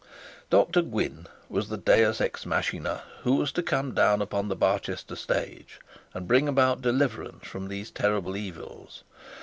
Dr Gwyinne was the Deus ex machina who was to come down upon the Barchester stage, and bring about deliverance from these terrible evils.